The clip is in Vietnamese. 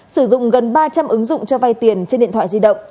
sử dụng gần ba trăm linh ứng dụng cho vay tiền trên điện thoại di động